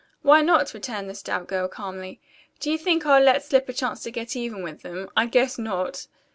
"Why not?" returned the stout girl calmly. "Do you think I'll let slip a chance to get even with them? I guess not."